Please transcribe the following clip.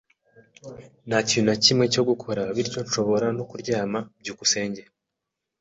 Nta kintu na kimwe cyo gukora, bityo nshobora no kuryama. byukusenge